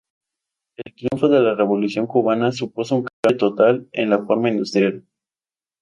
El triunfo de la Revolución Cubana supuso un cambio total en la forma industrial.